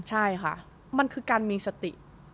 ใช่ค่ะมันคือการมีสติ